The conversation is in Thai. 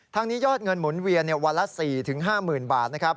ทางนี้ยอดเงินหมุนเวียนวันละ๔๕๐๐๐๐บาท